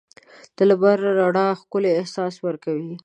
د لمر رڼا ښکلی احساس ورکوي.